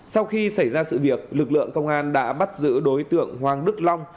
sau khi xảy ra sự việc lực lượng công an đã bắt giữ đối tượng hoàng đức long